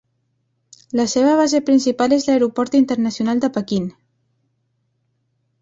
La seva base principal és l'Aeroport Internacional de Pequín.